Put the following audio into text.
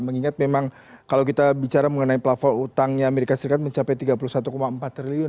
mengingat memang kalau kita bicara mengenai platform utangnya amerika serikat mencapai tiga puluh satu empat triliun